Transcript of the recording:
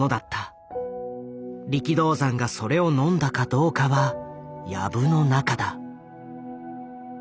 力道山がそれをのんだかどうかは藪の中だ。